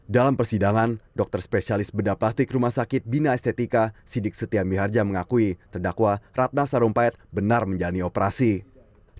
dalam persidangan dokter spesialis bedah plastik rumah sakit bina estetika sidik setia biharja mengakui terdakwa ratna sarumpait benar menjalani operasi plastik pada dua puluh satu september dua ribu delapan belas